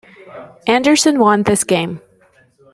Anderssen won this game.